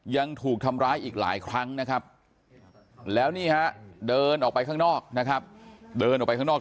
ยังถูกทำร้ายอีกหลายครั้งนะครับแล้วมันเดินออกไปข้างนอก